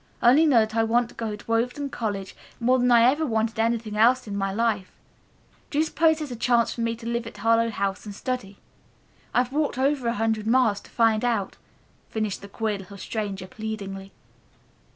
I only know that I want to go to Overton College more than I ever wanted anything else in my life. Do you suppose there's a chance for me to live at Harlowe House and study? I've walked over a hundred miles to find out," finished the queer little stranger pleadingly.